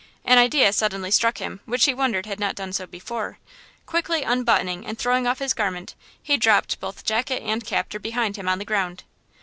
An idea suddenly struck him which he wondered had not done so before–quickly unbuttoning and throwing off his garment he dropped both jacket and captor behind him on the ground.